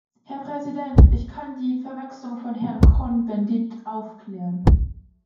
Herr Präsident! Ich kann die Verwechslung von Herrn Cohn-Bendit aufklären.